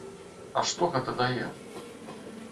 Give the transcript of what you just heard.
А што гэта дае?